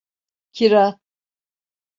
Kira…